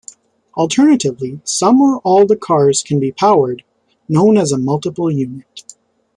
Alternatively, some or all the cars can be powered, known as a multiple unit.